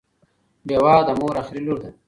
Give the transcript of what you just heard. ډیوه د مور اخري لور ده